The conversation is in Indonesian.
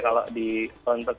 kalau di komunitas